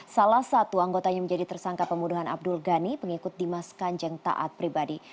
salah satu anggotanya menjadi tersangka pembunuhan abdul ghani pengikut dimas kanjeng taat pribadi